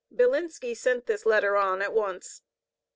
Bilinski sent this letter on at once.